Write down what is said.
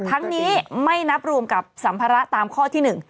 ทั้งนี้ไม่นับรวมกับสัมภาระตามข้อที่๑